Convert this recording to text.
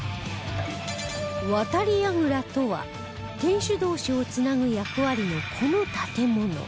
渡櫓とは天守同士をつなぐ役割のこの建物